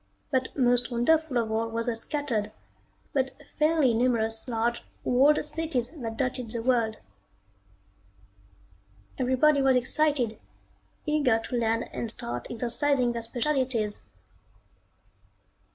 But most wonderful of all were the scattered, but fairly numerous large, walled cities that dotted the world. Everybody was excited, eager to land and start exercising their specialties.